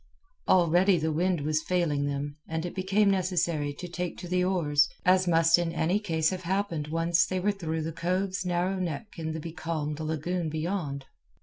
Already the wind was failing them, and it became necessary to take to the oars, as must in any case have happened once they were through the cove's narrow neck in the becalmed lagoon beyond.